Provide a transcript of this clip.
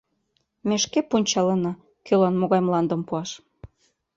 Ме шке пунчалына, кӧлан могай мландым пуаш.